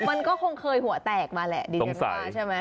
มันก็คงเคยหัวแตกมาแหละดิฉันมาใช่ไหม